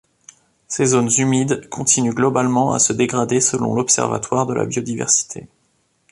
Ces zones humides continuent globalement à se dégrader selon l'observatoire de la biodiversité.